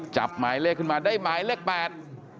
หมายเลขขึ้นมาได้หมายเลขแปด